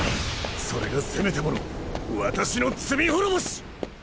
それがせめてもの私の罪滅ぼし！